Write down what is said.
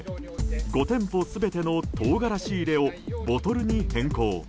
５店舗全てのトウガラシ入れをボトルに変更。